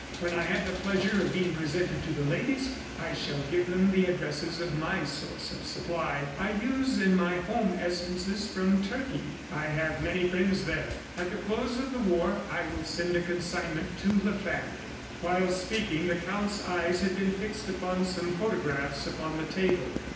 When I have the pleasure of being presented to the ladies, I shall give them the addresses of my source of supply. ... I use in my home essences from Turkey. I have many friends there. ... At the close of the war, I will send a consignment to the family." While speaking the Count's eyes had been fixed upon some photographs upon the table.